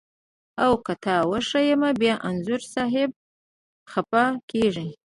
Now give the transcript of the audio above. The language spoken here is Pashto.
او که تا وښیم بیا انځور صاحب خپه کږي.